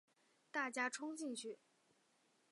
大家冲进去